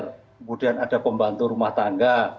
kemudian ada pembantu rumah tangga